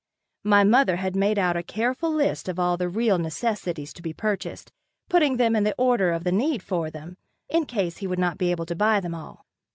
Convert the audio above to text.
My mother had made out a careful list of the real necessities to be purchased, putting them in the order of the need for them, in case he would not be able to buy them all.